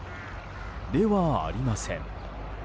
ではありません。